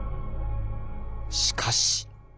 しかし。